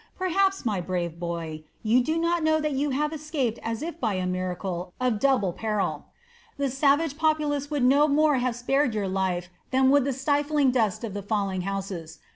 Perhaps, my brave boy, you do not know that you have escaped as if by a miracle a double peril; the savage populace would no more have spared your life than would the stifling dust of the falling houses.